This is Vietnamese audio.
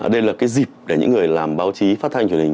đây là cái dịp để những người làm báo chí phát thanh truyền hình